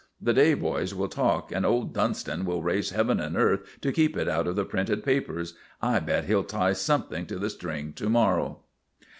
The day boys will talk, and old Dunston will raise heaven and earth to keep it out of the printed papers. I bet he'll tie something to the string to morrow."